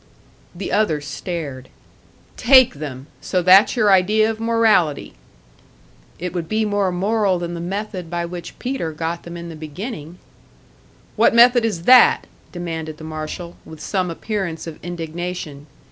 _'" The other stared. "Take them! So that's your idea of morality!" "It would be more moral than the method by which Peter got them in the beginning." "What method is that?" demanded the marshal, with some appearance of indignation.